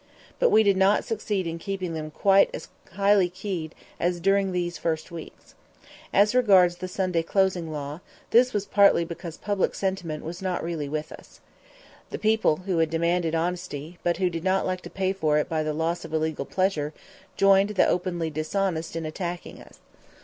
But we did not succeed in keeping them quite as highly keyed as during these first weeks. As regards the Sunday closing law, this was partly because public sentiment was not really with us. The people who had demanded honesty, but who did not like to pay for it by the loss of illegal pleasure, joined the openly dishonest in attacking us.